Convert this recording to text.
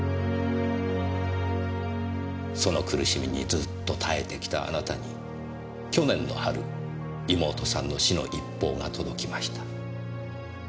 その苦しみにずっと耐えてきたあなたに去年の春妹さんの死の一報が届きました。